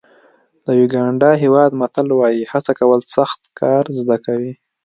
د یوګانډا هېواد متل وایي هڅه کول سخت کار زده کوي.